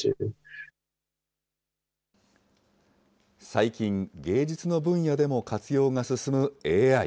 最近、芸術の分野でも活用が進むＡＩ。